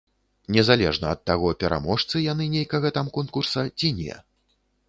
Незалежна ад таго, пераможцы яны нейкага там конкурса ці не.